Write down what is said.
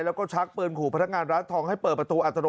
แล้วก็ชักปืนขู่พนักงานร้านทองให้เปิดประตูอัตโน